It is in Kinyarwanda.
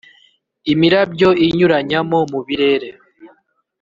imirabyo inyuranya mo mu birere